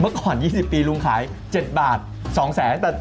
เมื่อก่อน๒๐ปีลุงขาย๗บาท๒๐๐๐บาท